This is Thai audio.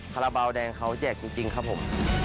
คาราบาลแดงเขาแจกจริงครับผม